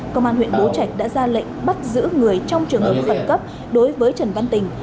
công an huyện bố trạch đã ra lệnh bắt giữ người trong trường hợp khẩn cấp đối với trần văn tình